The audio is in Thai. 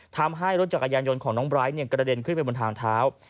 ทำให้รถจักรยานยนต์ของน้องไบร์ทกระเด็นขึ้นไปบนทางเท้า